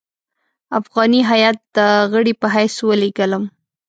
افغاني هیات د غړي په حیث ولېږلم.